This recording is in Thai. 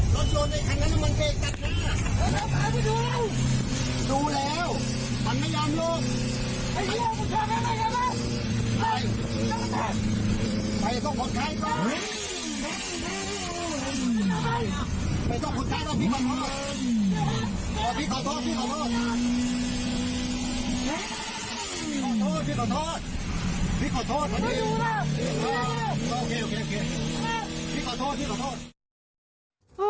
พี่ขอโทษ